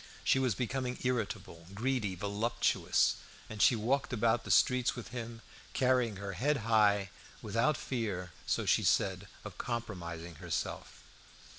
She was becoming irritable, greedy, voluptuous; and she walked about the streets with him carrying her head high, without fear, so she said, of compromising herself.